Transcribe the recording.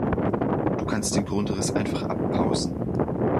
Du kannst den Grundriss einfach abpausen.